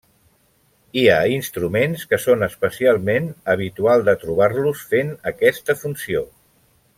Hi ha instruments que són especialment habitual de trobar-los fent aquesta funció.